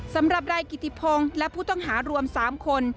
สำหรับนายกิติพงศ์และผู้ต้องหารวม๓คน